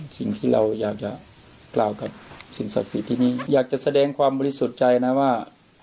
สิ่งที่เราอยากจะกล่าวกับสิ่งศักดิ์สิทธิ์ที่นี่อยากจะแสดงความบริสุทธิ์ใจนะว่า